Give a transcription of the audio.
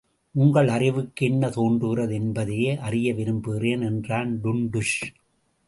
உங்கள் அறிவுக்கு என்ன தோன்றுகிறது என்பதையே அறிய விரும்புகிறேன் என்றான் டுன்டுஷ்.